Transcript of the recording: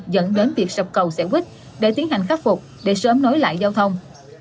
dẫn đến việc sập cầu xẻo quýt để tiến hành khắc phục để sớm nối lại giao thông